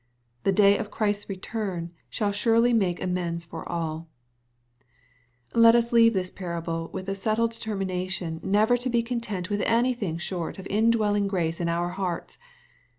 The day of Christ's return shall surely make amends for alL Let us leave this parable with a settled determination, never to be content with anything short of indwelling grace in our hearts.